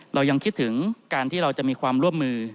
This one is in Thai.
เรายังคิดถึงการที่เราจะมีความร่วมมือ